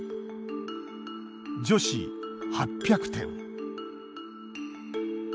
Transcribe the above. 女子、８００点。